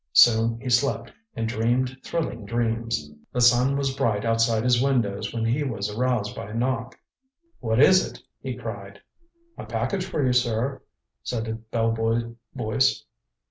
Soon he slept, and dreamed thrilling dreams. The sun was bright outside his windows when he was aroused by a knock. "What is it?" he cried. "A package for you, sir," said a bell boy voice.